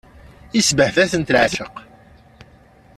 Isbehba-ten leɛceq.